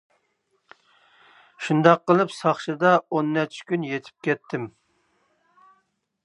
شۇنداق قىلىپ ساقچىدا ئون نەچچە كۈن يېتىپ كەتتىم.